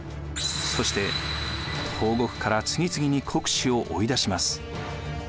そして東国から次々に国司を追い出します。